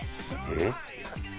えっ？